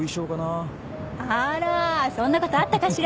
あらそんなことあったかしら。